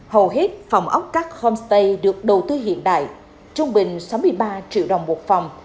hầu hết phòng ốc cắt homestay được đầu tư hiện đại trung bình sáu mươi ba triệu đồng một phòng